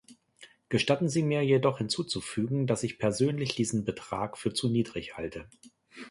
Gestatten Sie mir jedoch hinzuzufügen, dass ich persönlich diesen Betrag für zu niedrig halte.